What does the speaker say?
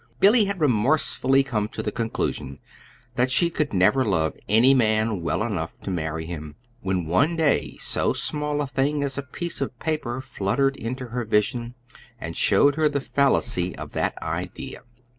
Billy had remorsefully come to the conclusion that she could never love any man well enough to marry him, when one day so small a thing as a piece of paper fluttered into her vision, and showed her the fallacy of that idea.